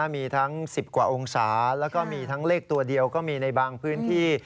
มีทั้ง๑๐กว่าองศาแล้วก็มีทั้งเลขตัวเดียวก็มีในบางพื้นที่